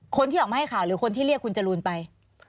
คนที่ออกมาให้ข่าวหรือคนที่เรียกคุณจรูนไป